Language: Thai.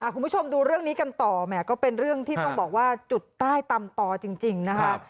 คุณผู้ชมดูเรื่องนี้กันต่อแหมก็เป็นเรื่องที่ต้องบอกว่าจุดใต้ตำต่อจริงนะคะ